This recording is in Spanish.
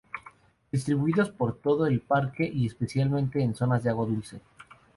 Distribuidos por todo el Parque, y especialmente en zonas de agua dulce.